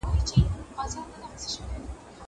زه بايد درسونه اورم.